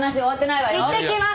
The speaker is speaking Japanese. いってきます！